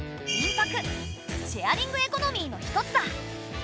シェアリングエコノミーのひとつだ。